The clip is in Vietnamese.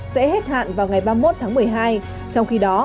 sẽ hết hạn vào ngày ba mươi một tháng một mươi hai trong khi đó